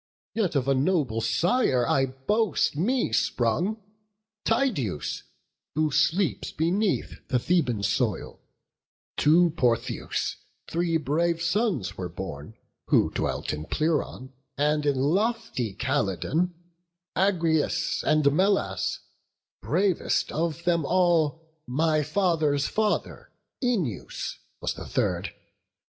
Yet of a noble sire I boast me sprung, Tydeus, who sleeps beneath the Theban soil: To Portheus three brave sons were born, who dwelt In Pleuron and in lofty Calydon, Agrius, and Melas; bravest of them all, My father's father, Œneus, was the third.